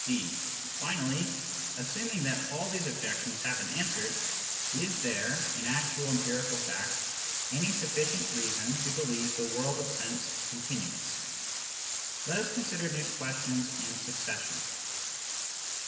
(d) Finally, assuming that all these objections have been answered, is there, in actual empirical fact, any sufllicient reason to believe the world of sense continuous ? Let us consider these questions in succession.